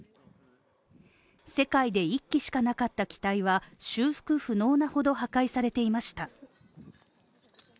世界で１機しかなかった機体は修復不能なほど破壊されていました。